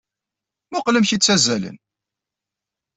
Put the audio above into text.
Mmuqqel amek ay ttazzalen!